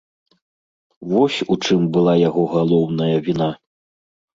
Вось у чым была яго галоўная віна.